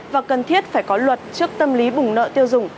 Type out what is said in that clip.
và cần thiết phải có luật trước tâm lý bùng nợ tiêu dùng